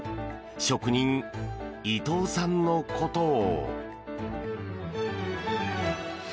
職人・伊藤さんのことを。